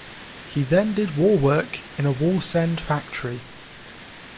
He then did war work in a Wallsend factory.